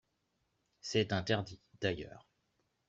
C’est interdit, d’ailleurs